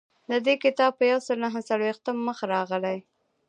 د دې کتاب په یو سل نهه څلویښتم مخ راغلی.